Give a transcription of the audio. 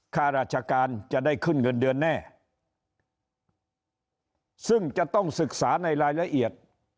ข้าราชการจะได้ขึ้นเงินเดือนแน่ซึ่งจะต้องศึกษาในรายละเอียด